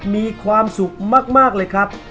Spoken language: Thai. มีความสุขมากเลยครับ